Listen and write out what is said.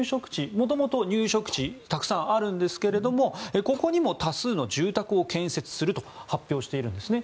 元々、入植地はたくさんあるんですがここにも多数の住宅を建設すると発表しているんですね。